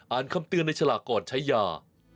คำเตือนในฉลากก่อนใช้ยา